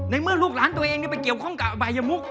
เมื่อลูกหลานตัวเองไปเกี่ยวข้องกับอบายมุก